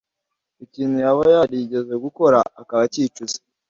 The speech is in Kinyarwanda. ikintu yaba yarigeze gukora akaba akicuza